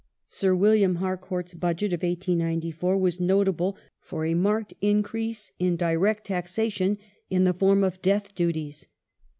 Sir William Harcourt's Budget of 1894 was notable for a marked increase in direct taxation in the form of " death " duties.